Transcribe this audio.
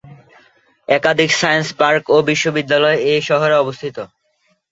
একাধিক science park ও বিশ্ববিদ্যালয়য় এই শহরে অবস্থিত।